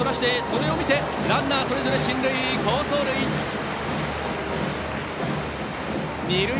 それを見てランナーそれぞれ進塁。